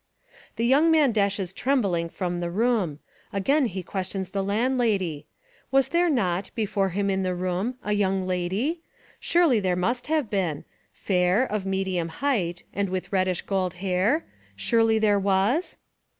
The young man dashes trembling from the room. Again he questions the landlady, — was there not, before him In the room, a young lady? Surely there must have been, — fair, of medium height, and with reddish gold hair? Surely there was?